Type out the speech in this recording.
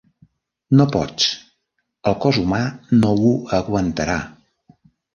No pots; el cos humà no ho aguantarà.